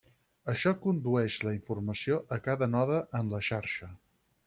Això condueix la informació a cada node en la xarxa.